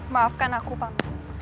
maafkan aku pak